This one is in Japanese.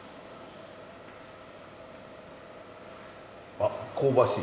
あ香ばしい。